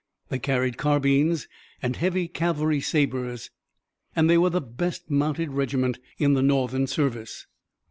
They carried carbines and heavy cavalry sabers, and they were the best mounted regiment in the Northern service.